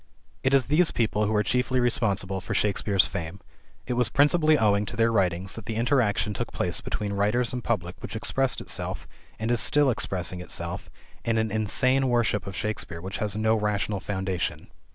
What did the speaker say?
It is these people who are chiefly responsible for Shakespeare's fame. It was principally owing to their writings that the interaction took place between writers and public which expressed itself, and is still expressing itself, in an insane worship of Shakespeare which has no rational foundation.